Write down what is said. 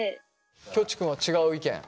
きょち君は違う意見？